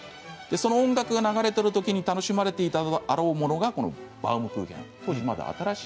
その音楽が流れるときに楽しまれたであろうと思うのがバウムクーヘン。